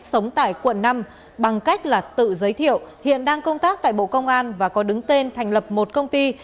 sống tại quận năm bằng cách là tự giới thiệu hiện đang công tác tại bộ công an và có đứng tên thành lập một công ty